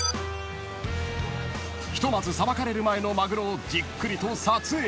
［ひとまずさばかれる前のマグロをじっくりと撮影］